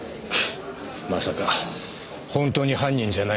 まさか本当に犯人じゃないのか？